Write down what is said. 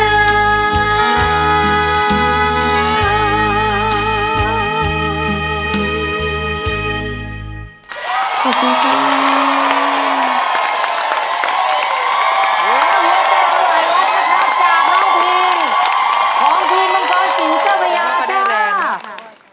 ของพีมมันก็จริงเจ้าพระยาชา